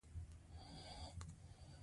سخاوت ملګرتیا کلکوي.